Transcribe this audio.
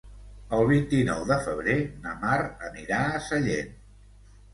El vint-i-nou de febrer na Mar anirà a Sallent.